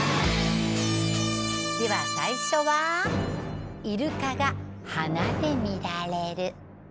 では最初はイルカが「花」で見られる。